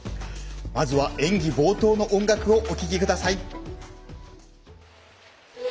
まずは演技冒頭の音楽をお聴きください。